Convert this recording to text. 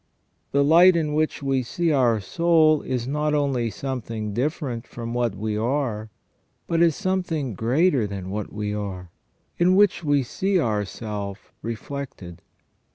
The light in which we see our soul is not only something different from what we are, but is something greater than what we are, in which we see ourself reflected.